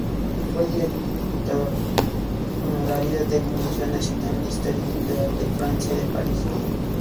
Fue director honorario del Museo Nacional de Historia Natural de Francia, de París.